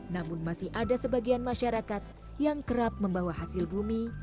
namun masih ada sebagian masyarakat yang kerap membawa hasil bumi